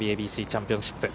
ＡＢＣチャンピオンシップ。